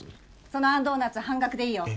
そのあんドーナツ半額でいいよ。